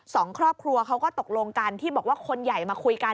สองครอบครัวเขาก็ตกลงกันที่บอกว่าคนใหญ่มาคุยกัน